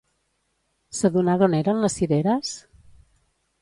S'adonà d'on eren les cireres?